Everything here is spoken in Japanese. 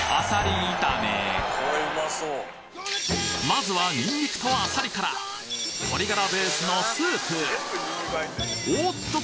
まずはニンニクとアサリから鶏ガラベースのスープおおっと